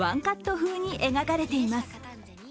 風に描かれています。